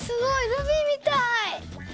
ルビーみたい。